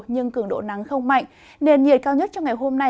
nhưng cường độ nắng không mạnh nền nhiệt cao nhất trong ngày hôm nay